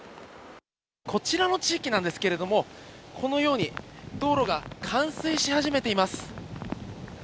こちらの地域なんですけれども、このように道路が冠水し始めています。